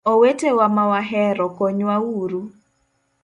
Owetewa ma wahero konywa uru.